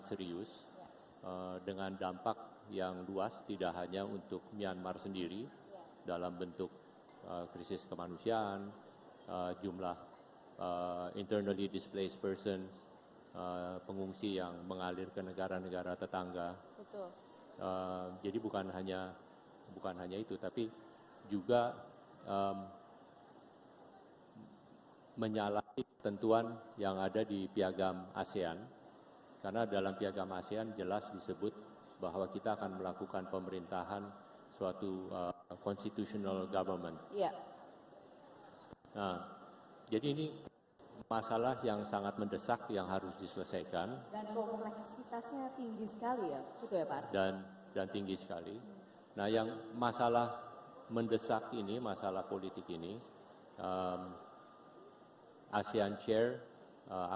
serta dalam bagaimana nasional bagaimana keadaan keadaan bagaimana keadaan di negara bagaimana keadaan di negara